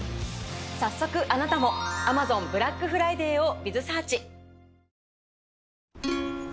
早速あなたも「Ａｍａｚｏｎブラックフライデー」をｂｉｚｓｅａｒｃｈ。